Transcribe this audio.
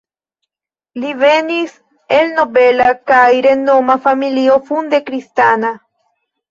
Li venis el nobela kaj renoma familio funde kristana.